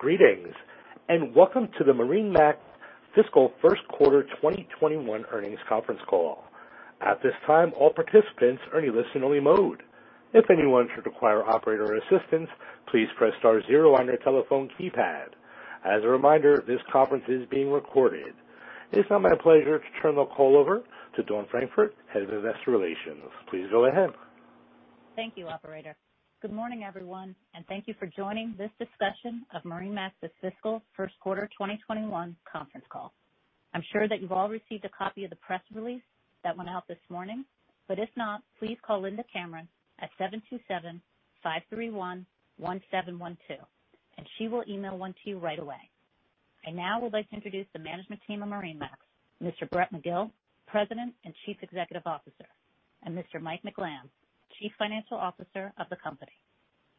Greetings, welcome to the MarineMax Fiscal First Quarter 2021 Earnings Conference Call. At this time, all participants are in listen-only mode. If anyone should require operator assistance, please press star zero on your telephone keypad. As a reminder, this conference is being recorded. It is now my pleasure to turn the call over to Dawn Francfort, head of investor relations. Please go ahead. Thank you, operator. Good morning, everyone. Thank you for joining this discussion of MarineMax's fiscal first quarter 2021 conference call. I'm sure that you've all received a copy of the press release that went out this morning, but if not, please call Linda Cameron at 727-531-1712, and she will email one to you right away. I now would like to introduce the management team of MarineMax: Mr. Brett McGill, President and Chief Executive Officer, and Mr. Mike McLamb, Chief Financial Officer of the company.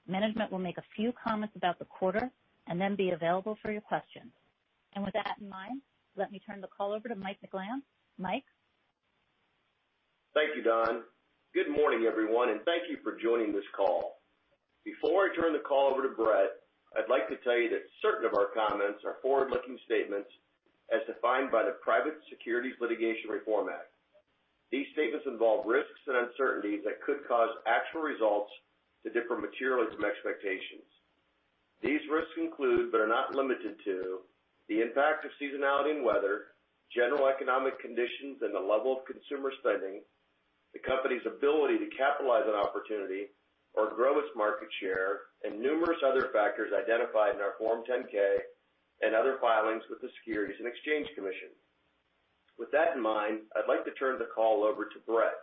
Management will make a few comments about the quarter and then be available for your questions. With that in mind, let me turn the call over to Mike McLamb. Mike? Thank you, Dawn. Good morning, everyone, and thank you for joining this call. Before I turn the call over to Brett, I'd like to tell you that certain of our comments are forward-looking statements as defined by the Private Securities Litigation Reform Act. These statements involve risks and uncertainties that could cause actual results to differ materially from expectations. These risks include, but are not limited to, the impact of seasonality and weather, general economic conditions, and the level of consumer spending, the company's ability to capitalize on opportunity or grow its market share, and numerous other factors identified in our Form 10-K and other filings with the Securities and Exchange Commission. With that in mind, I'd like to turn the call over to Brett.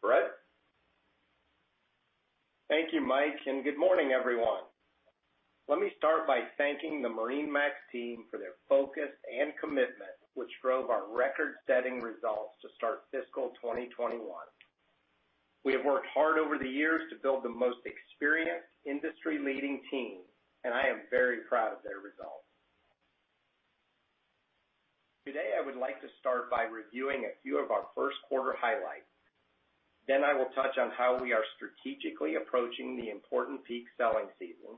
Brett? Thank you, Mike, and good morning, everyone. Let me start by thanking the MarineMax team for their focus and commitment, which drove our record-setting results to start fiscal 2021. We have worked hard over the years to build the most experienced, industry-leading team, and I am very proud of their results. Today, I would like to start by reviewing a few of our first quarter highlights. I will touch on how we are strategically approaching the important peak selling season,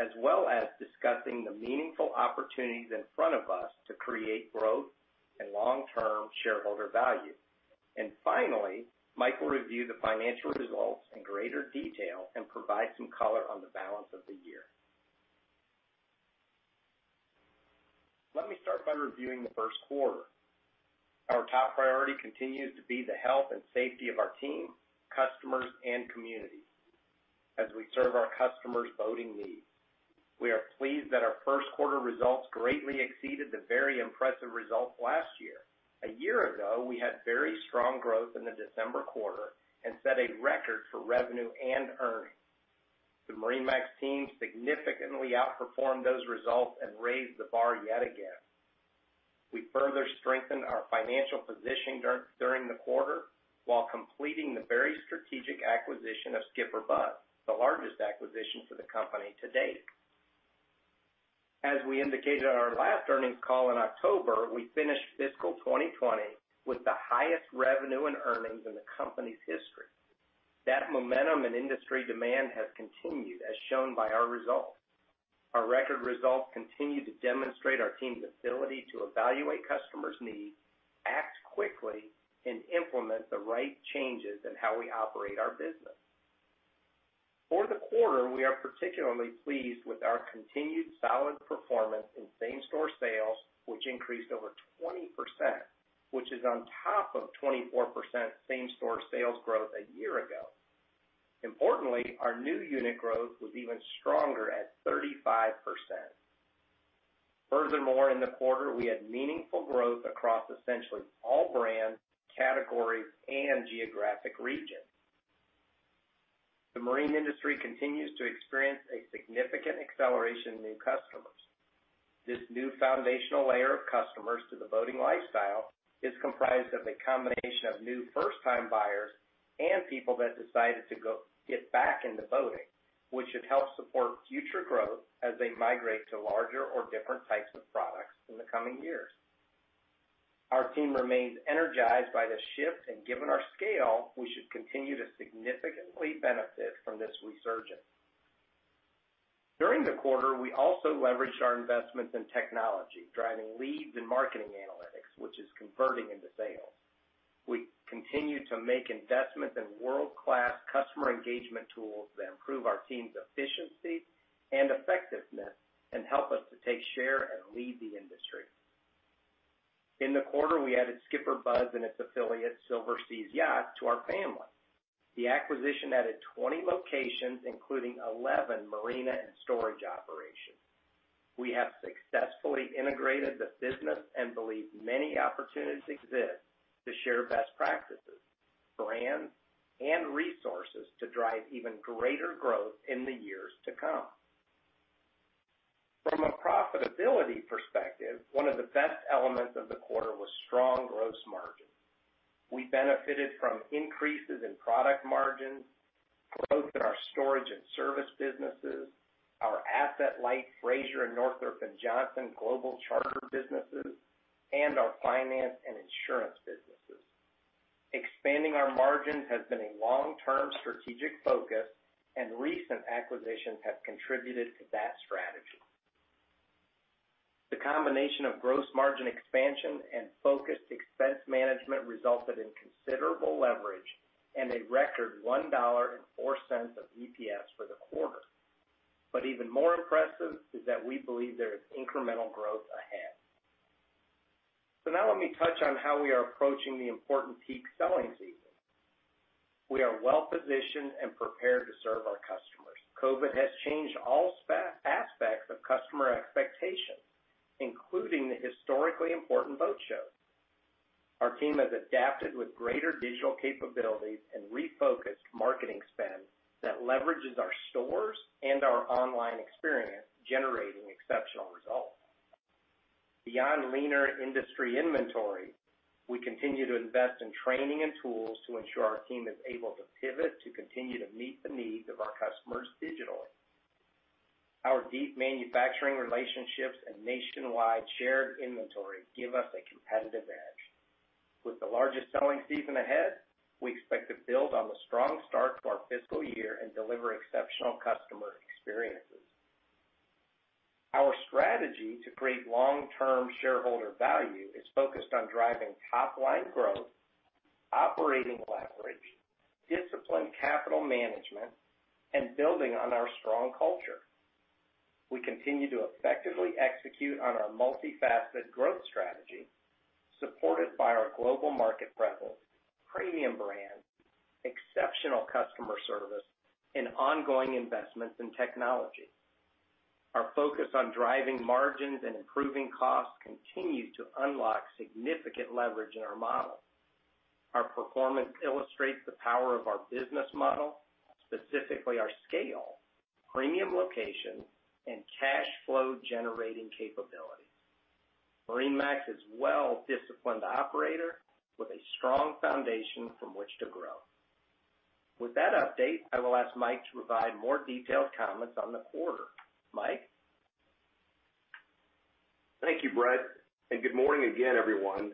as well as discussing the meaningful opportunities in front of us to create growth and long-term shareholder value. Finally, Mike will review the financial results in greater detail and provide some color on the balance of the year. Let me start by reviewing the first quarter. Our top priority continues to be the health and safety of our team, customers, and communities as we serve our customers' boating needs. We are pleased that our first quarter results greatly exceeded the very impressive results last year. A year ago, we had very strong growth in the December quarter and set a record for revenue and earnings. The MarineMax team significantly outperformed those results and raised the bar yet again. We further strengthened our financial position during the quarter while completing the very strategic acquisition of SkipperBud's, the largest acquisition for the company to date. As we indicated on our last earnings call in October, we finished fiscal 2020 with the highest revenue and earnings in the company's history. That momentum and industry demand has continued, as shown by our results. Our record results continue to demonstrate our team's ability to evaluate customers' needs, act quickly, and implement the right changes in how we operate our business. For the quarter, we are particularly pleased with our continued solid performance in same-store sales, which increased over 20%, which is on top of 24% same-store sales growth a year ago. Importantly, our new unit growth was even stronger at 35%. Furthermore, in the quarter, we had meaningful growth across essentially all brands, categories, and geographic regions. The marine industry continues to experience a significant acceleration in new customers. This new foundational layer of customers to the boating lifestyle is comprised of a combination of new first-time buyers and people that decided to get back into boating, which should help support future growth as they migrate to larger or different types of products in the coming years. Our team remains energized by the shift, and given our scale, we should continue to significantly benefit from this resurgence. During the quarter, we also leveraged our investments in technology, driving leads and marketing analytics, which is converting into sales. We continue to make investments in world-class customer engagement tools that improve our team's efficiency and effectiveness and help us to take share and lead the industry. In the quarter, we added SkipperBud's and its affiliate, Silver Seas Yachts, to our family. The acquisition added 20 locations, including 11 marina and storage operations. We have successfully integrated the business and believe many opportunities exist to share best practices, brands, and resources to drive even greater growth in the years to come. From a profitability perspective, one of the best elements of the quarter was strong gross margin. We benefited from increases in product margins, growth in our storage and service businesses, our asset-light Fraser and Northrop & Johnson global charter businesses, and our finance and insurance businesses. Expanding our margins has been a long-term strategic focus, and recent acquisitions have contributed to that strategy. The combination of gross margin expansion and focused expense management resulted in considerable leverage and a record $1.04 of EPS for the quarter. Even more impressive is that we believe there is incremental growth ahead. Now let me touch on how we are approaching the important peak selling season. We are well-positioned and prepared to serve our customers. COVID has changed all aspects of customer expectations, including the historically important boat shows. Our team has adapted with greater digital capabilities and refocused marketing spend that leverages our stores and our online experience, generating exceptional results. Beyond leaner industry inventory, we continue to invest in training and tools to ensure our team is able to pivot to continue to meet the needs of our customers digitally. Our deep manufacturing relationships and nationwide shared inventory give us a competitive edge. With the largest selling season ahead, we expect to build on the strong start to our fiscal year and deliver exceptional customer experiences. Our strategy to create long-term shareholder value is focused on driving top-line growth, operating leverage, disciplined capital management, and building on our strong culture. We continue to effectively execute on our multifaceted growth strategy, supported by our global market presence, premium brands, exceptional customer service, and ongoing investments in technology. Our focus on driving margins and improving costs continues to unlock significant leverage in our model. Our performance illustrates the power of our business model, specifically our scale, premium location, and cash flow-generating capability. MarineMax is a well-disciplined operator with a strong foundation from which to grow. With that update, I will ask Mike to provide more detailed comments on the quarter. Mike? Thank you, Brett, and good morning again, everyone.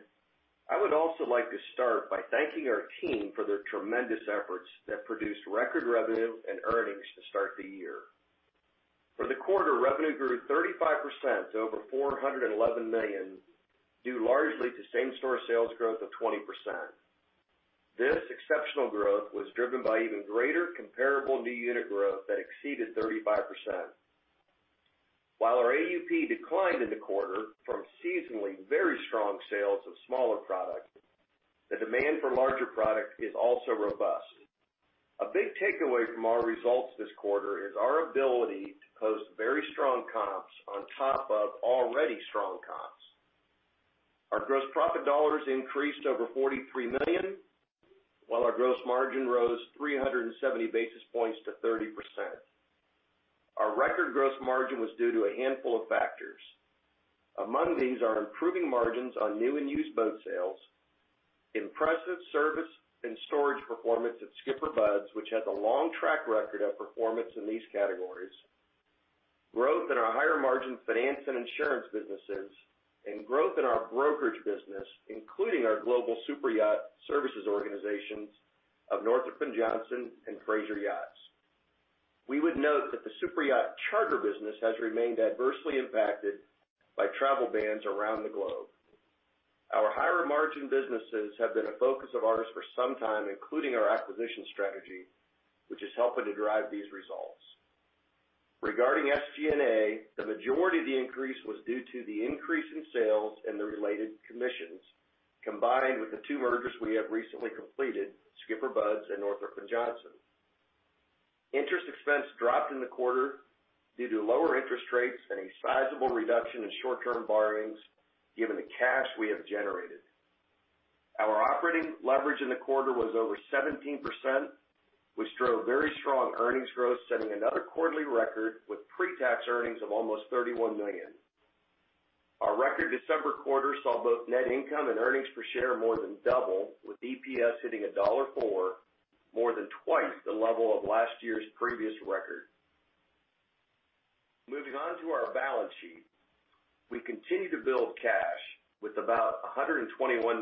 I would also like to start by thanking our team for their tremendous efforts that produced record revenue and earnings to start the year. For the quarter, revenue grew 35% to over $411 million, due largely to same-store sales growth of 20%. This exceptional growth was driven by even greater comparable new unit growth that exceeded 35%. While our AUP declined in the quarter from seasonally very strong sales of smaller products, the demand for larger products is also robust. A big takeaway from our results this quarter is our ability to post very strong comps on top of already strong comps. Our gross profit dollars increased over $43 million, while our gross margin rose 370 basis points to 30%. Our record gross margin was due to a handful of factors. Among these are improving margins on new and used boat sales, impressive service and storage performance at SkipperBud's, which has a long track record of performance in these categories, growth in our higher-margin finance and insurance businesses, and growth in our brokerage business, including our global superyacht services organizations of Northrop & Johnson and Fraser Yachts. We would note that the superyacht charter business has remained adversely impacted by travel bans around the globe. Our higher-margin businesses have been a focus of ours for some time, including our acquisition strategy, which is helping to drive these results. Regarding SG&A, the majority of the increase was due to the increase in sales and the related commissions, combined with the two mergers we have recently completed, SkipperBud's and Northrop & Johnson. Interest expense dropped in the quarter due to lower interest rates and a sizable reduction in short-term borrowings given the cash we have generated. Our operating leverage in the quarter was over 17%, which drove very strong earnings growth, setting another quarterly record with pre-tax earnings of almost $31 million. Our record December quarter saw both net income and EPS more than double, with EPS hitting $1.04, more than twice the level of last year's previous record. Moving on to our balance sheet. We continue to build cash, with about $121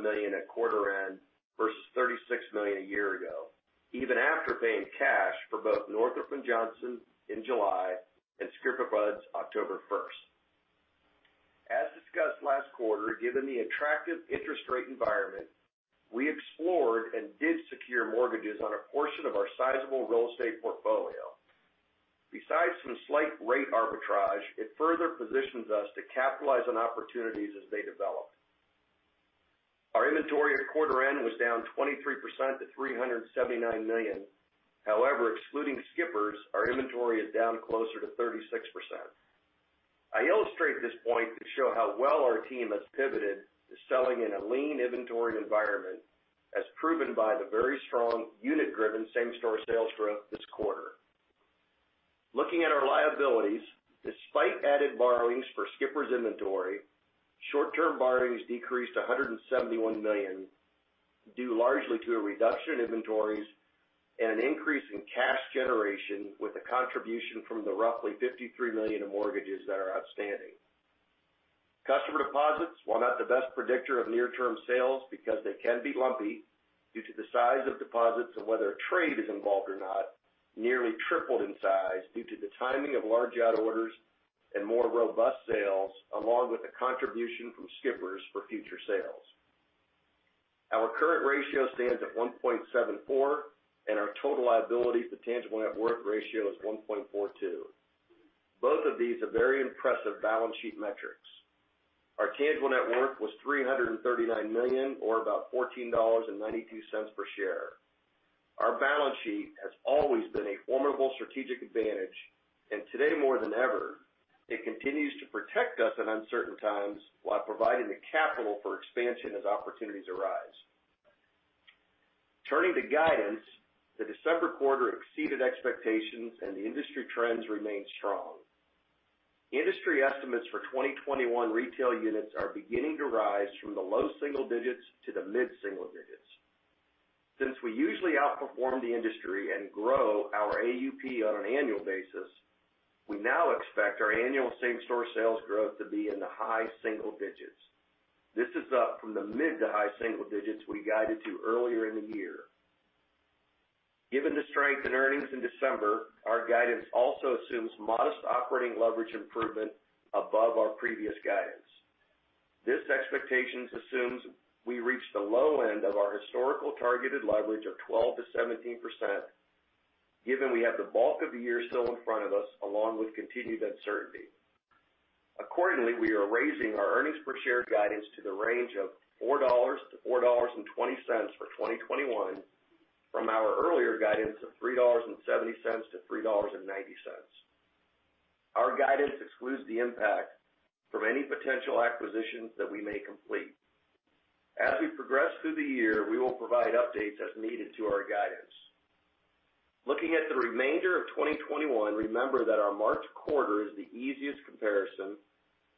million at quarter end versus $36 million a year ago, even after paying cash for both Northrop & Johnson in July and SkipperBud's October 1st. As discussed last quarter, given the attractive interest rate environment, we explored and did secure mortgages on a portion of our sizable real estate portfolio. Besides some slight rate arbitrage, it further positions us to capitalize on opportunities as they develop. Our inventory at quarter end was down 23% to $379 million. However, excluding Skipper's, our inventory is down closer to 36%. I illustrate this point to show how well our team has pivoted to selling in a lean inventory environment, as proven by the very strong unit-driven same-store sales growth this quarter. Looking at our liabilities, despite added borrowings for SkipperBud's inventory, short-term borrowings decreased to $171 million, due largely to a reduction in inventories and an increase in cash generation with a contribution from the roughly $53 million of mortgages that are outstanding. Customer deposits, while not the best predictor of near-term sales because they can be lumpy due to the size of deposits and whether trade is involved or not, nearly tripled in size due to the timing of large out orders and more robust sales, along with the contribution from SkipperBud's for future sales. Our current ratio stands at 1.74 and our total liabilities to tangible net worth ratio is 1.42. Both of these are very impressive balance sheet metrics. Our tangible net worth was $339 million, or about $14.92 per share. Our balance sheet has always been a formidable strategic advantage, and today more than ever, it continues to protect us in uncertain times while providing the capital for expansion as opportunities arise. Turning to guidance, the December quarter exceeded expectations and the industry trends remain strong. Industry estimates for 2021 retail units are beginning to rise from the low single digits to the mid single digits. Since we usually outperform the industry and grow our AUP on an annual basis, we now expect our annual same-store sales growth to be in the high single digits. This is up from the mid to high single digits we guided to earlier in the year. Given the strength in earnings in December, our guidance also assumes modest operating leverage improvement above our previous guidance. This expectation assumes we reach the low end of our historical targeted leverage of 12%-17%, given we have the bulk of the year still in front of us, along with continued uncertainty. Accordingly, we are raising our earnings per share guidance to the range of $4-$4.20 for 2021 from our earlier guidance of $3.70-$3.90. Our guidance excludes the impact from any potential acquisitions that we may complete. As we progress through the year, we will provide updates as needed to our guidance. Looking at the remainder of 2021, remember that our March quarter is the easiest comparison,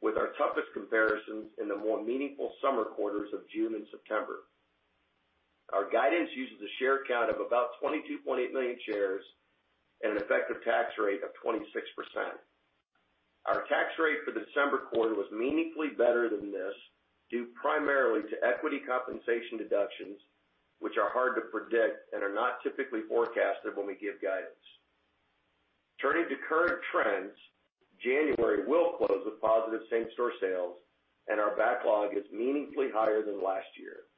with our toughest comparisons in the more meaningful summer quarters of June and September. Our guidance uses a share count of about 22.8 million shares and an effective tax rate of 26%. Our tax rate for the December quarter was meaningfully better than this, due primarily to equity compensation deductions, which are hard to predict and are not typically forecasted when we give guidance. Turning to current trends, January will close with positive same-store sales and our backlog is meaningfully higher than last year.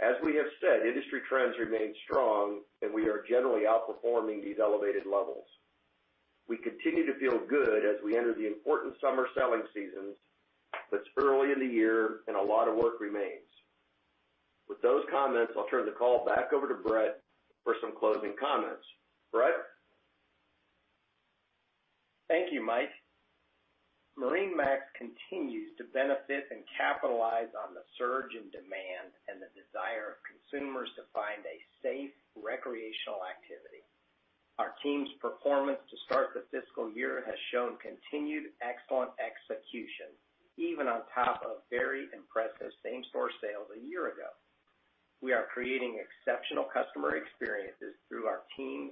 As we have said, industry trends remain strong and we are generally outperforming these elevated levels. We continue to feel good as we enter the important summer selling season, it's early in the year and a lot of work remains. With those comments, I'll turn the call back over to Brett for some closing comments. Brett? Thank you, Mike. MarineMax continues to benefit and capitalize on the surge in demand and the desire of consumers to find a safe recreational activity. Our team's performance to start the fiscal year has shown continued excellent execution, even on top of very impressive same-store sales a year ago. We are creating exceptional customer experiences through our teams,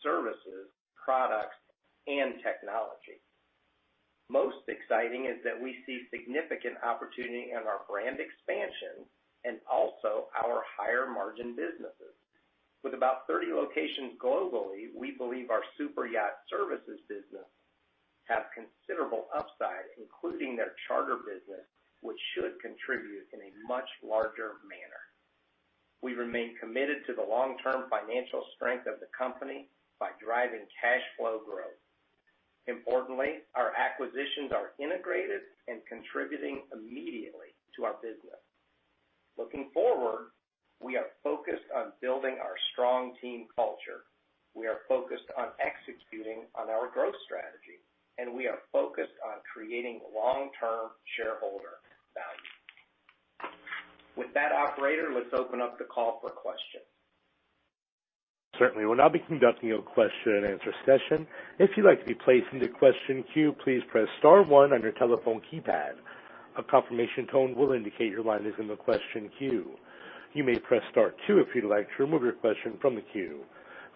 services, products, and technology. Most exciting is that we see significant opportunity in our brand expansion and also our higher margin businesses. With about 30 locations globally, we believe our super yacht services business have considerable upside, including their charter business, which should contribute in a much larger manner. We remain committed to the long-term financial strength of the company by driving cash flow growth. Importantly, our acquisitions are integrated and contributing immediately to our business. Looking forward, we are focused on building our strong team culture. We are focused on executing on our growth strategy, and we are focused on creating long-term shareholder value. With that, operator, let's open up the call for questions. Certainly. We'll now be conducting a question and answer session. If you'd like to be placed into question queue, please press star one on your telephone keypad. A confirmation tone will indicate your line is in the question queue. You may press star two if you'd like to remove your question from the queue.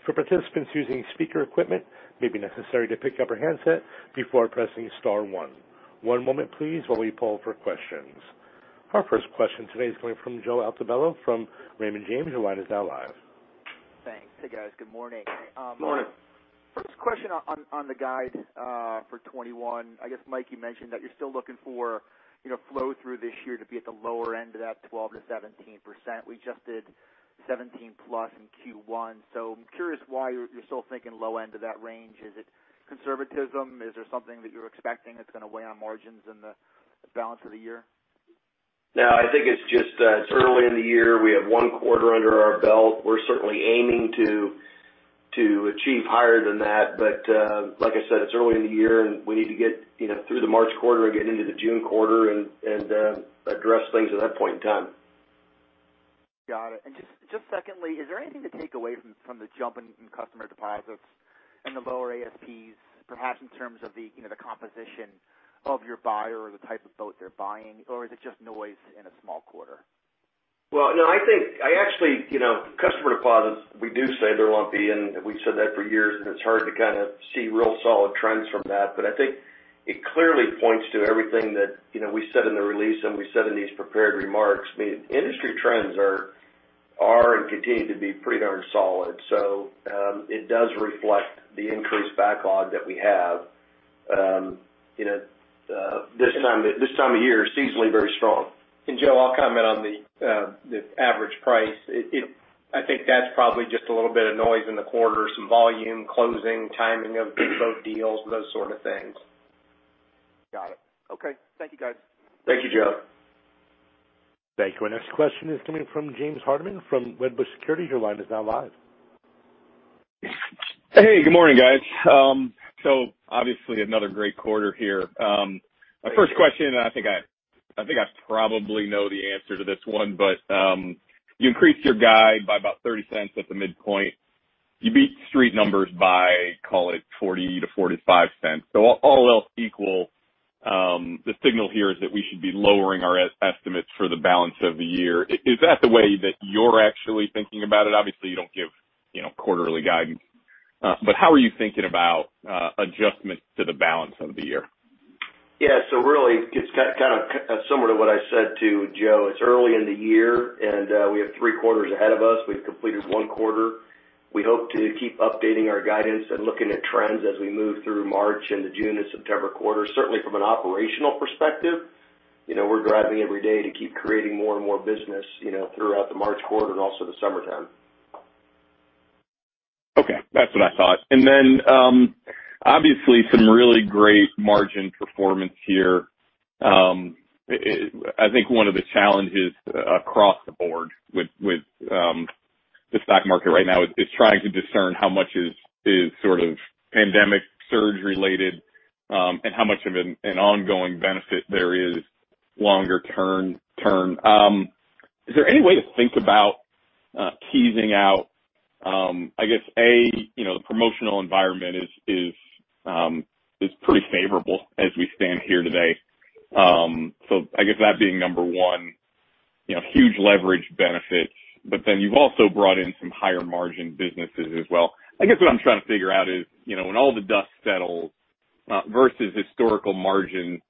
For participants using speaker equipment, it may be necessary to pick up your handset before pressing star one. One moment please while we poll for questions. Our first question today is coming from Joe Altobello from Raymond James. Your line is now live. Thanks. Hey, guys. Good morning. Morning. First question on the guide for 2021. I guess, Mike, you mentioned that you're still looking for flow through this year to be at the lower end of that 12%-17%. We just did 17% plus in Q1. I'm curious why you're still thinking low end of that range. Is it conservatism? Is there something that you're expecting that's going to weigh on margins in the balance of the year? I think it's just it's early in the year. We have one quarter under our belt. We're certainly aiming to achieve higher than that. Like I said, it's early in the year and we need to get through the March quarter and get into the June quarter and address things at that point in time. Got it. Just secondly, is there anything to take away from the jump in customer deposits and the lower ASPs, perhaps in terms of the composition of your buyer or the type of boat they're buying, or is it just noise in a small quarter? Well, no, I think, customer deposits, we do say they're lumpy, and we've said that for years, and it's hard to kind of see real solid trends from that. I think it clearly points to everything that we said in the release and we said in these prepared remarks. Industry trends are and continue to be pretty darn solid. It does reflect the increased backlog that we have. This time of year, it's seasonally very strong. Joe, I'll comment on the average price. I think that's probably just a little bit of noise in the quarter, some volume closing, timing of big boat deals, those sort of things. Got it. Okay. Thank you, guys. Thank you, Joe. Thank you. Our next question is coming from James Hardiman from Wedbush Securities. Your line is now live. Hey, good morning, guys. Obviously another great quarter here. My first question, and I think I probably know the answer to this one, but you increased your guide by about $0.30 at the midpoint. You beat Street numbers by, call it, $0.40-$0.45. All else equal, the signal here is that we should be lowering our estimates for the balance of the year. Is that the way that you're actually thinking about it? Obviously, you don't give quarterly guidance. How are you thinking about adjustments to the balance of the year? Yeah. Really, it's kind of similar to what I said to Joe. It's early in the year, and we have three quarters ahead of us. We've completed one quarter. We hope to keep updating our guidance and looking at trends as we move through March and the June and September quarters. Certainly from an operational perspective, we're driving every day to keep creating more and more business throughout the March quarter and also the summertime. Okay. That's what I thought. Obviously some really great margin performance here. I think one of the challenges across the board with the stock market right now is trying to discern how much is sort of pandemic surge related, and how much of an ongoing benefit there is longer term. Is there any way to think about teasing out, I guess, A, the promotional environment is pretty favorable as we stand here today. I guess that being number one. Huge leverage benefits, but then you've also brought in some higher margin businesses as well. I guess what I'm trying to figure out is, when all the dust settles, versus historical margin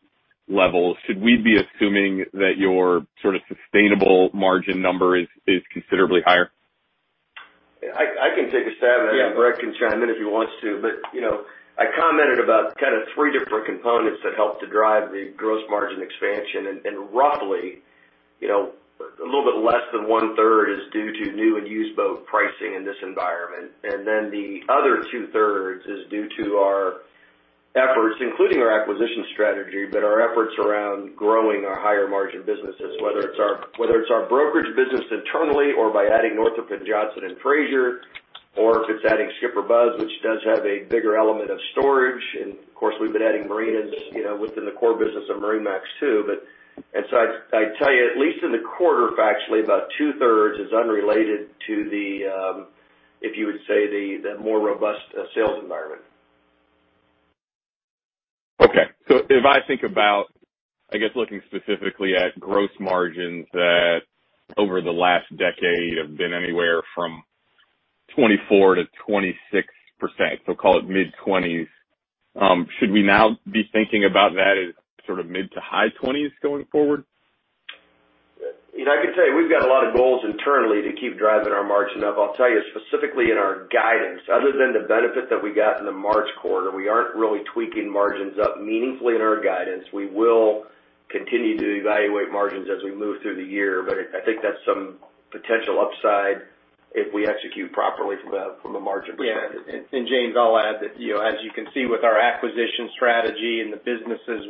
levels, should we be assuming that your sort of sustainable margin number is considerably higher? I can take a stab at it, and Brett can chime in if he wants to. I commented about kind of three different components that help to drive the gross margin expansion. Roughly, a little bit less than one-third is due to new and used boat pricing in this environment. Then the other two-thirds is due to our efforts, including our acquisition strategy, but our efforts around growing our higher margin businesses, whether it's our brokerage business internally or by adding Northrop & Johnson and Fraser, or if it's adding SkipperBud's, which does have a bigger element of storage. Of course, we've been adding marinas within the core business of MarineMax too. So I'd tell you, at least in the quarter, factually about two-thirds is unrelated to the, if you would say, the more robust sales environment. Okay. If I think about, I guess, looking specifically at gross margins that over the last decade have been anywhere from 24%-26%, so call it mid-20s. Should we now be thinking about that as sort of mid to high 20s going forward? I can tell you, we've got a lot of goals internally to keep driving our margin up. I'll tell you specifically in our guidance, other than the benefit that we got in the March quarter, we aren't really tweaking margins up meaningfully in our guidance. We will continue to evaluate margins as we move through the year, I think that's some potential upside if we execute properly from a margin perspective. Yeah. James, I'll add that, as you can see with our acquisition strategy and the businesses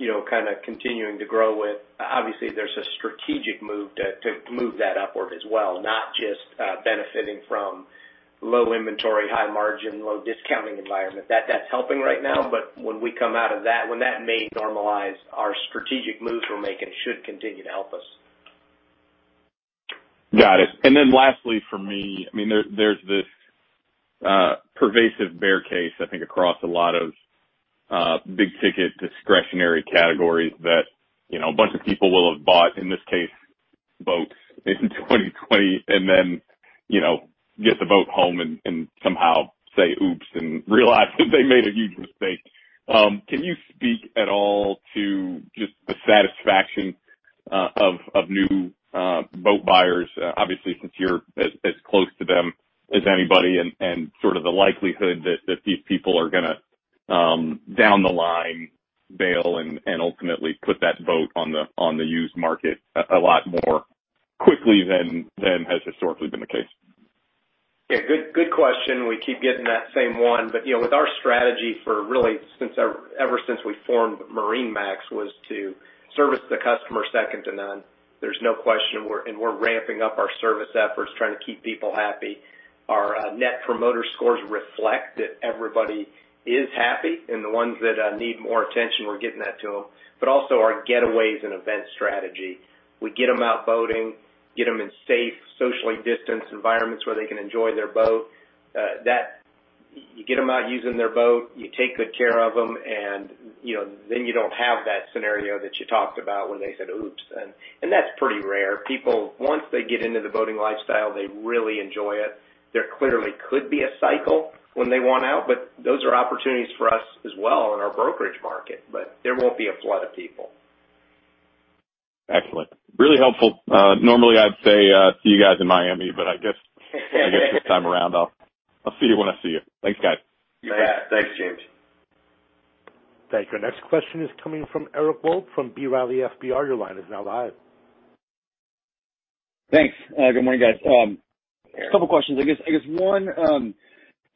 we're kind of continuing to grow with, obviously there's a strategic move to move that upward as well, not just benefiting from low inventory, high margin, low discounting environment. That's helping right now, when we come out of that, when that may normalize, our strategic moves we're making should continue to help us. Got it. Lastly for me, there's this pervasive bear case, I think, across a lot of big-ticket discretionary categories that a bunch of people will have bought, in this case, boats in 2020, and then get the boat home and somehow say, "Oops," and realize that they made a huge mistake. Can you speak at all to just the satisfaction of new boat buyers? Obviously, since you're as close to them as anybody and sort of the likelihood that these people are going to, down the line, bail and ultimately put that boat on the used market a lot more quickly than has historically been the case. Yeah, good question. We keep getting that same one. With our strategy for really ever since we formed MarineMax, was to service the customer second to none. There's no question. We're ramping up our service efforts, trying to keep people happy. Our Net Promoter Score reflect that everybody is happy, and the ones that need more attention, we're giving that to them. Also our getaways and event strategy. We get them out boating, get them in safe, socially distanced environments where they can enjoy their boat. You get them out using their boat, you take good care of them, and then you don't have that scenario that you talked about when they said, "Oops." That's pretty rare. People, once they get into the boating lifestyle, they really enjoy it. There clearly could be a cycle when they want out, but those are opportunities for us as well in our brokerage market. There won't be a flood of people. Excellent. Really helpful. Normally, I'd say, see you guys in Miami, but this time around, I'll see you when I see you. Thanks, guys. Yeah. Thanks, James. Thank you. Our next question is coming from Eric Wold from B. Riley Securities. Your line is now live. Thanks. Good morning, guys. Eric. A couple questions. I guess one,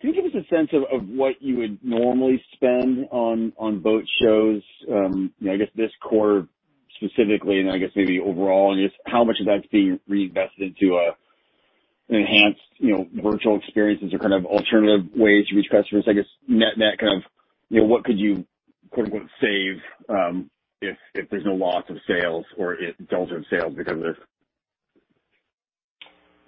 can you give us a sense of what you would normally spend on boat shows this quarter specifically, and I guess maybe overall, and just how much of that's being reinvested into enhanced virtual experiences or kind of alternative ways to reach customers? I guess net, what could you, quote unquote, save if there's no loss of sales or it dulls your sales because of this?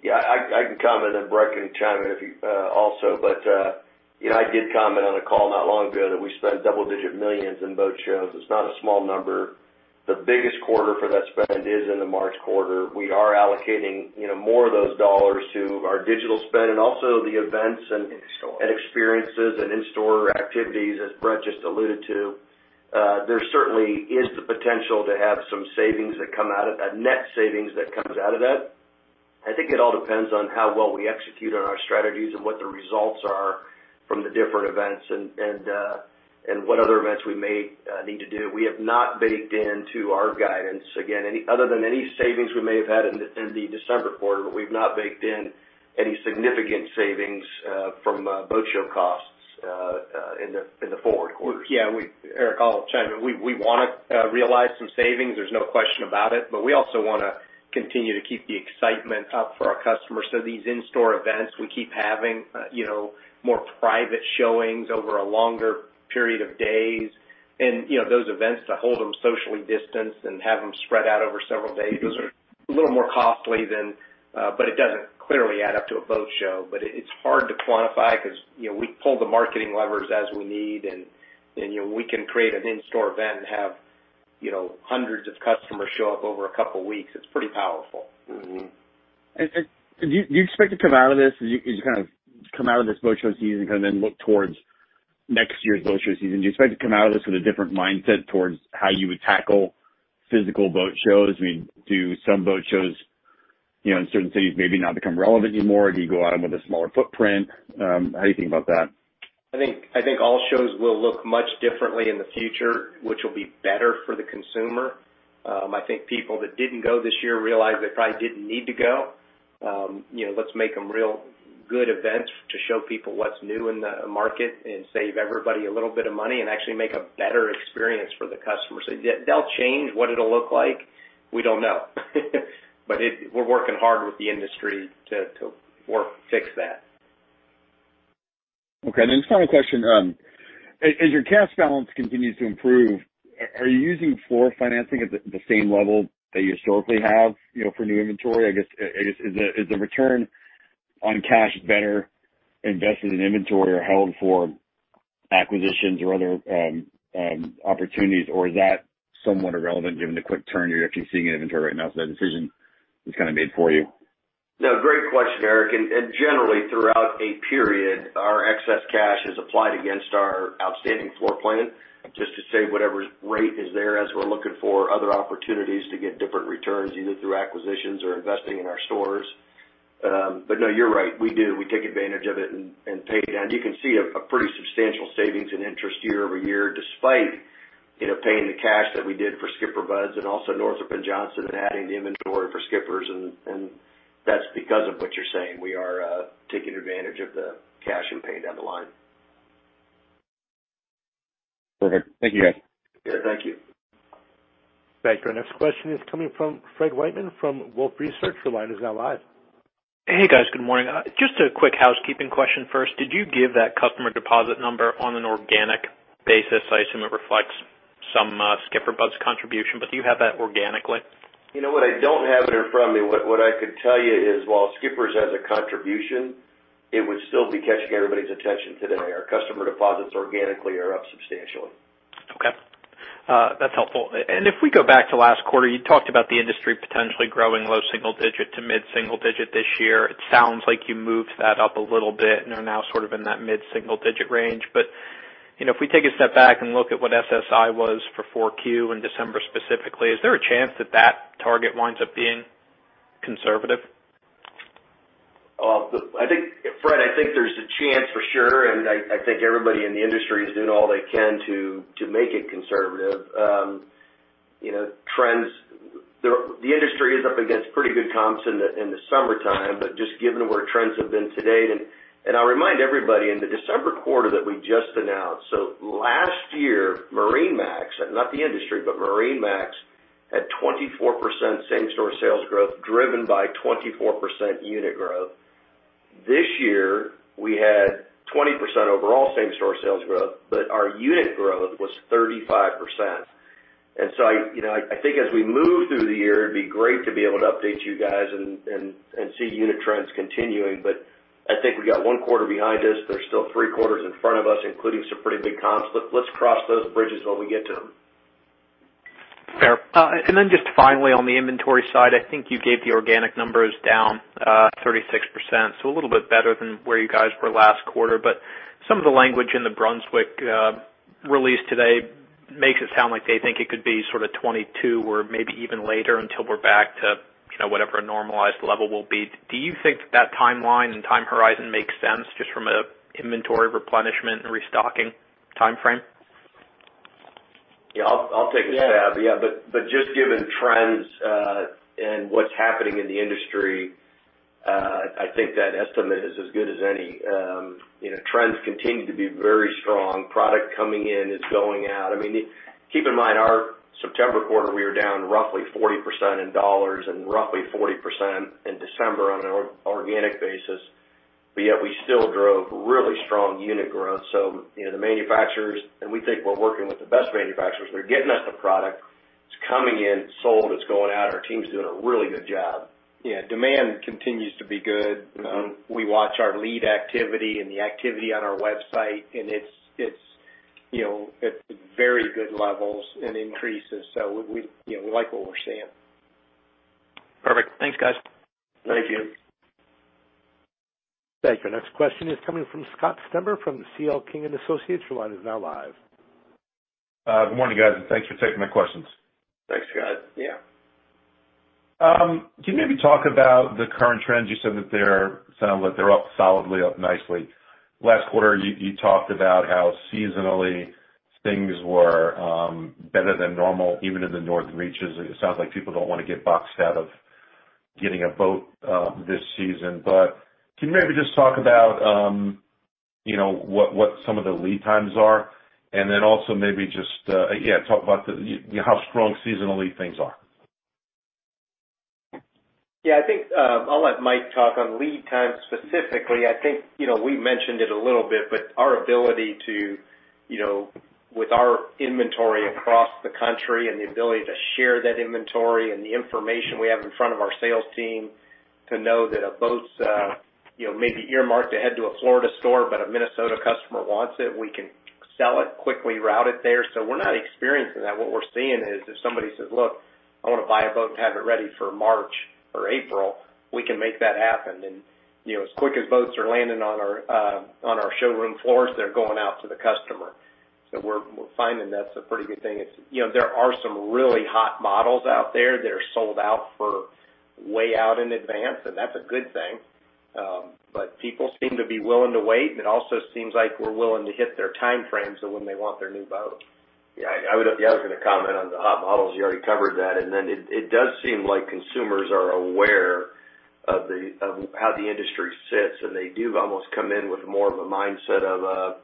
Yeah, I can comment, and Brett can chime in also. I did comment on a call not long ago that we spent double-digit millions in boat shows. It's not a small number. The biggest quarter for that spend is in the March quarter. We are allocating more of those dollars to our digital spend and also the events. In store. Experiences and in-store activities, as Brett just alluded to. There certainly is the potential to have some savings that come out of that, net savings that comes out of that. I think it all depends on how well we execute on our strategies and what the results are from the different events and what other events we may need to do. We have not baked into our guidance, again, other than any savings we may have had in the December quarter. We've not baked in any significant savings from boat show costs in the forward quarters. Yeah, Eric, I'll chime in. We want to realize some savings, there's no question about it, but we also want to continue to keep the excitement up for our customers. These in-store events we keep having more private showings over a longer period of days. Those events to hold them socially distanced and have them spread out over several days, those are a little more costly, but it doesn't clearly add up to a boat show. It's hard to quantify because we pull the marketing levers as we need and we can create an in-store event and have hundreds of customers show up over a couple of weeks. It's pretty powerful. Do you expect to come out of this boat show season and then look towards next year's boat show season? Do you expect to come out of this with a different mindset towards how you would tackle physical boat shows? Do some boat shows in certain cities maybe not become relevant anymore? Do you go at them with a smaller footprint? How do you think about that? I think all shows will look much differently in the future, which will be better for the consumer. I think people that didn't go this year realized they probably didn't need to go. Let's make them real good events to show people what's new in the market and save everybody a little bit of money and actually make a better experience for the customer. They'll change. What it'll look like, we don't know. We're working hard with the industry to fix that. Okay. Just final question. As your cash balance continues to improve, are you using floor financing at the same level that you historically have for new inventory? I guess, is the return on cash better invested in inventory or held for acquisitions or other opportunities, or is that somewhat irrelevant given the quick turn you're actually seeing in inventory right now, so that decision is kind of made for you? No, great question, Eric, and generally throughout a period, our excess cash is applied against our outstanding floor plan just to save whatever rate is there as we're looking for other opportunities to get different returns, either through acquisitions or investing in our stores. No, you're right, we do. We take advantage of it and pay down. You can see a pretty substantial savings and interest year-over-year, despite paying the cash that we did for SkipperBud's and also Northrop & Johnson and adding the inventory for SkipperBud's and that's because of what you're saying. We are taking advantage of the cash and pay down the line. Perfect. Thank you, guys. Thank you. Thank you. Our next question is coming from Fred Wightman from Wolfe Research. Your line is now live. Hey, guys. Good morning. Just a quick housekeeping question first. Did you give that customer deposit number on an organic basis? I assume it reflects some SkipperBud's contribution, but do you have that organically? What I don't have it in front of me. What I could tell you is while Skipper's has a contribution, it would still be catching everybody's attention today. Our customer deposits organically are up substantially. Okay. That's helpful. If we go back to last quarter, you talked about the industry potentially growing low single digit to mid-single digit this year. It sounds like you moved that up a little bit and are now sort of in that mid-single digit range. If we take a step back and look at what SSI was for 4Q in December specifically, is there a chance that that target winds up being conservative? Fred, I think there's a chance for sure. I think everybody in the industry is doing all they can to make it conservative. The industry is up against pretty good comps in the summertime, given where trends have been to date. I'll remind everybody in the December quarter that we just announced. Last year, MarineMax, not the industry, but MarineMax, had 24% same-store sales growth driven by 24% unit growth. This year, we had 20% overall same-store sales growth, our unit growth was 35%. I think as we move through the year, it'd be great to be able to update you guys and see unit trends continuing. I think we got one quarter behind us. There's still three quarters in front of us, including some pretty big comps. Let's cross those bridges when we get to them. Fair. Just finally, on the inventory side, I think you gave the organic numbers down 36%, so a little bit better than where you guys were last quarter. Some of the language in the Brunswick release today makes it sound like they think it could be sort of 2022 or maybe even later until we're back to whatever a normalized level will be. Do you think that timeline and time horizon makes sense just from an inventory replenishment and restocking timeframe? Yeah, I'll take a stab. Yeah. Just given trends and what's happening in the industry, I think that estimate is as good as any. Trends continue to be very strong. Product coming in is going out. Keep in mind, our September quarter, we were down roughly 40% in dollars and roughly 40% in December on an organic basis. Yet we still drove really strong unit growth. The manufacturers, and we think we're working with the best manufacturers, they're getting us the product. It's coming in, it's sold, it's going out. Our team's doing a really good job. Yeah, demand continues to be good. We watch our lead activity and the activity on our website, and it's very good levels and increases. We like what we're seeing. Perfect. Thanks, guys. Thank you. Thank you. Our next question is coming from Scott Stember from C.L. King & Associates. Your line is now live. Good morning, guys, and thanks for taking my questions. Thanks, Scott. Yeah. Can you maybe talk about the current trends? You said that they sound like they're up solidly, up nicely. Last quarter, you talked about how seasonally things were better than normal, even in the northern reaches. It sounds like people don't want to get boxed out of getting a boat this season. Can you maybe just talk about what some of the lead times are, and then also maybe just talk about how strong seasonally things are? I think I'll let Mike talk on lead times specifically. I think we mentioned it a little bit, but our ability to, with our inventory across the country and the ability to share that inventory and the information we have in front of our sales team to know that a boat's maybe earmarked to head to a Florida store, but a Minnesota customer wants it, we can sell it quickly, route it there. We're not experiencing that. What we're seeing is if somebody says, "Look, I want to buy a boat and have it ready for March or April," we can make that happen. As quick as boats are landing on our showroom floors, they're going out to the customer. We're finding that's a pretty good thing. There are some really hot models out there that are sold out for way out in advance, and that's a good thing. People seem to be willing to wait, and it also seems like we're willing to hit their timeframe when they want their new boat. Yeah, I was going to comment on the hot models. You already covered that. It does seem like consumers are aware of how the industry sits, and they do almost come in with more of a mindset of,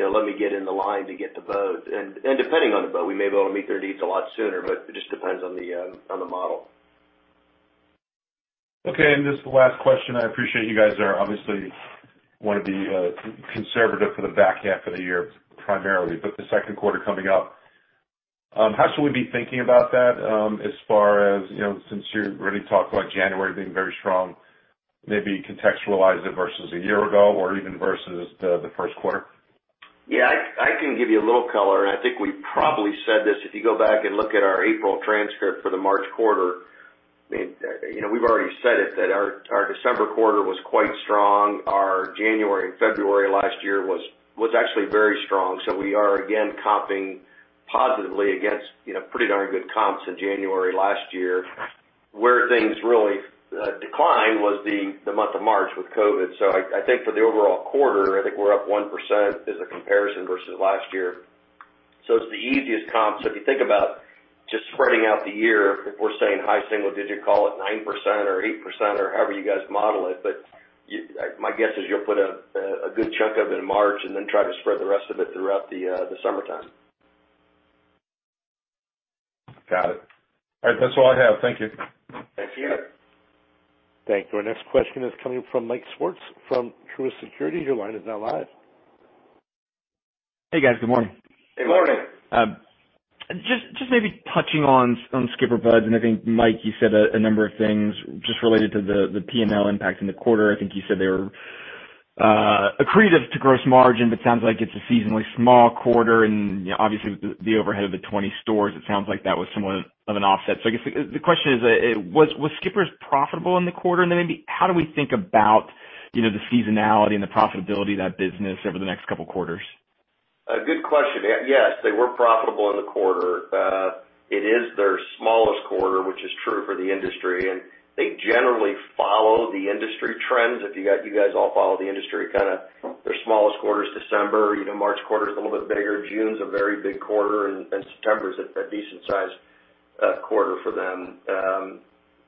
"Let me get in the line to get the boat." Depending on the boat, we may be able to meet their needs a lot sooner, but it just depends on the model. Okay, just the last question. I appreciate you guys are obviously want to be conservative for the back half of the year primarily, but the second quarter coming up. How should we be thinking about that as far as, since you already talked about January being very strong, maybe contextualize it versus a year ago or even versus the first quarter? Yeah, I can give you a little color. I think we probably said this, if you go back and look at our April transcript for the March quarter. We've already said it, that our December quarter was quite strong. Our January and February last year was actually very strong. We are, again, comping positively against pretty darn good comps in January last year. Where things really declined was the month of March with COVID. I think for the overall quarter, I think we're up 1% as a comparison versus last year. It's the easiest comp. If you think about just spreading out the year, if we're saying high single digit, call it 9% or 8% or however you guys model it, but my guess is you'll put a good chunk of it in March and then try to spread the rest of it throughout the summertime. Got it. All right. That's all I have. Thank you. Thanks. Yeah. Thank you. Our next question is coming from Mike Swartz from Truist Securities. Your line is now live. Hey, guys. Good morning. Hey. Good morning. Just maybe touching on SkipperBud's. I think, Mike, you said a number of things just related to the P&L impact in the quarter. I think you said they were accretive to gross margin. Sounds like it's a seasonally small quarter. Obviously with the overhead of the 20 stores, it sounds like that was somewhat of an offset. I guess the question is, was Skippers profitable in the quarter? Maybe how do we think about the seasonality and the profitability of that business over the next couple of quarters? A good question. Yes, they were profitable in the quarter. It is their smallest quarter, which is true for the industry, and they generally follow the industry trends. If you guys all follow the industry, kind of their smallest quarter is December. March quarter is a little bit bigger. June's a very big quarter, and September's a decent-sized quarter for them.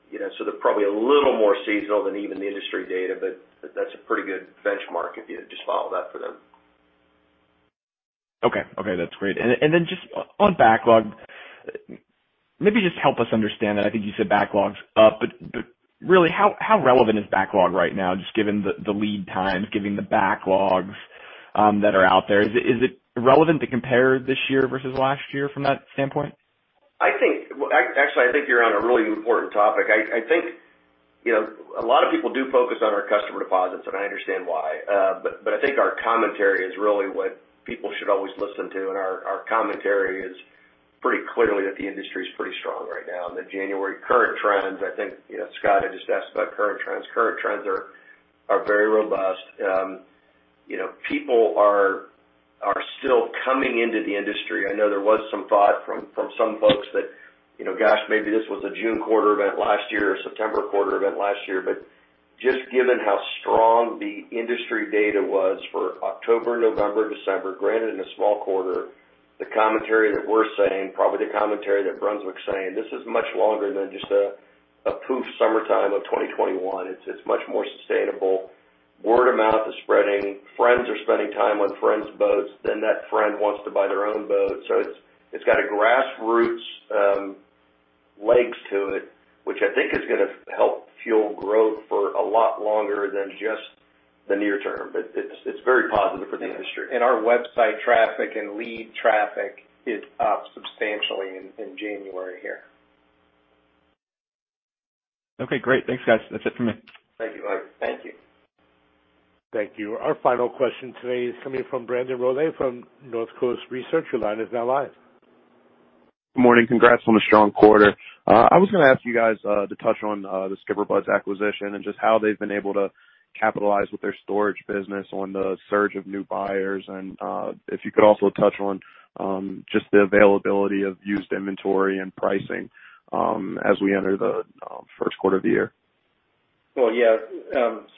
They're probably a little more seasonal than even the industry data, but that's a pretty good benchmark if you just follow that for them. Okay. That's great. Then just on backlog, maybe just help us understand that. I think you said backlog's up, but really, how relevant is backlog right now, just given the lead times, given the backlogs that are out there? Is it relevant to compare this year versus last year from that standpoint? Actually, I think you're on a really important topic. I think a lot of people do focus on our customer deposits, and I understand why. I think our commentary is really what people should always listen to, and our commentary is pretty clearly that the industry's pretty strong right now and the January current trends, I think, Scott had just asked about current trends. Current trends are very robust. People are still coming into the industry. I know there was some thought from some folks that, gosh, maybe this was a June quarter event last year or September quarter event last year. Just given how strong the industry data was for October, November, December, granted in a small quarter, the commentary that we're saying, probably the commentary that Brunswick's saying, this is much longer than just a poof summertime of 2021. It's much more sustainable. Word of mouth is spreading. Friends are spending time on friends' boats, then that friend wants to buy their own boat. It's got grassroots legs to it, which I think is going to help fuel growth for a lot longer than just the near term. It's very positive for the industry. Our website traffic and lead traffic is up substantially in January here. Okay, great. Thanks, guys. That's it for me. Thank you. Thank you. Thank you. Our final question today is coming from Brandon Rollé from Northcoast Research. Your line is now live. Good morning. Congrats on a strong quarter. I was going to ask you guys to touch on the SkipperBud's acquisition and just how they've been able to capitalize with their storage business on the surge of new buyers and if you could also touch on just the availability of used inventory and pricing as we enter the first quarter of the year. Well, yeah.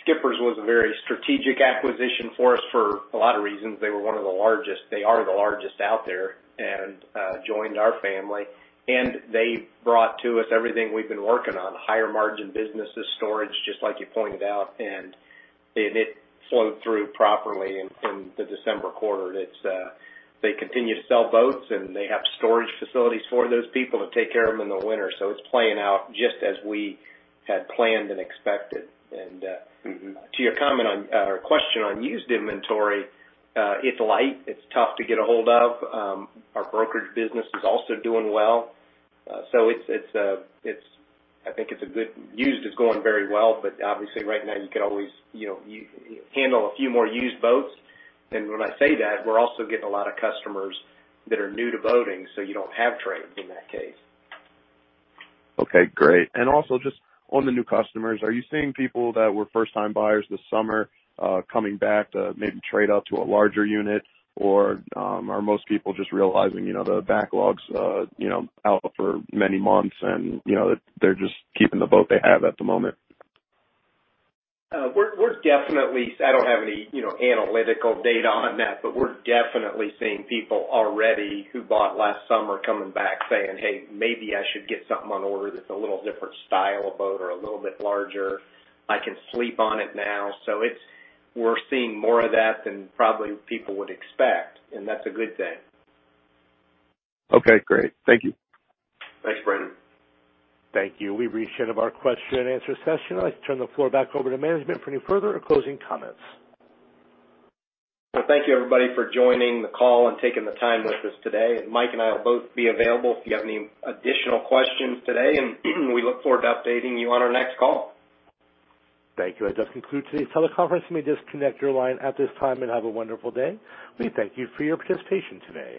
Skippers was a very strategic acquisition for us for a lot of reasons. They were one of the largest. They are the largest out there and joined our family. They brought to us everything we've been working on, higher margin businesses, storage, just like you pointed out, and it flowed through properly in the December quarter. They continue to sell boats, and they have storage facilities for those people to take care of them in the winter. It's playing out just as we had planned and expected. To your question on used inventory, it's light. It's tough to get a hold of. Our brokerage business is also doing well. Used is going very well, but obviously right now you can always handle a few more used boats. When I say that, we're also getting a lot of customers that are new to boating, so you don't have trade in that case. Okay. Great. Also just on the new customers, are you seeing people that were first-time buyers this summer coming back to maybe trade up to a larger unit? Are most people just realizing the backlogs out for many months and they're just keeping the boat they have at the moment? I don't have any analytical data on that, but we're definitely seeing people already who bought last summer coming back saying, "Hey, maybe I should get something on order that's a little different style of boat or a little bit larger. I can sleep on it now." We're seeing more of that than probably people would expect, and that's a good thing. Okay, great. Thank you. Thanks, Brandon. Thank you. We've reached the end of our question and answer session. I'd like to turn the floor back over to management for any further or closing comments. Well, thank you everybody for joining the call and taking the time with us today. Mike and I will both be available if you have any additional questions today, and we look forward to updating you on our next call. Thank you. That does conclude today's teleconference. You may disconnect your line at this time and have a wonderful day. We thank you for your participation today.